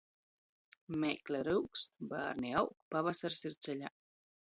Meikle ryugst, bārni aug, pavasars ir ceļā.